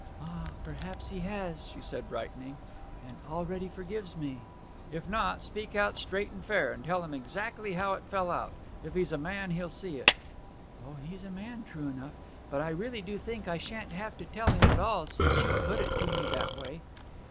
'Ah perhaps he has!' she said brightening. 'And already forgives me.' 'If not, speak out straight and fair, and tell him exactly how it fell out. If he's a man he'll see it.' 'O he's a man true enough. But I really do think I shan't have to tell him at all, since you've put it to me that way!'